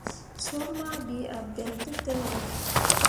Soor mah ɓii ah bem tǝtǝlliwo.